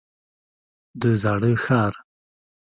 د زاړه ښار.